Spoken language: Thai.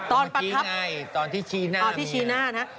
ตอนประทับตอนที่ชี้หน้าอ๋อที่ชี้หน้านะฮะ